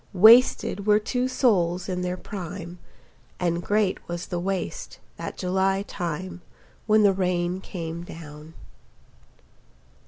Wasted were two souls in their prime, And great was the waste, that July time When the rain came down.